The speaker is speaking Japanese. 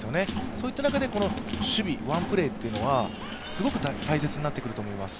そういった中で守備、ワンプレーはすごく大切になってくると思います。